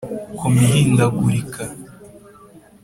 koma ihindagurika